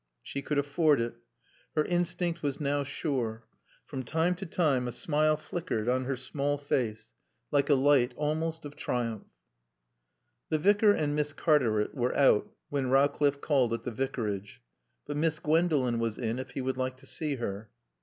She could afford it. Her instinct was now sure. From time to time a smile flickered on her small face like a light almost of triumph. The Vicar and Miss Cartaret were out when Rowcliffe called at the Vicarage, but Miss Gwendolen was in if he would like to see her.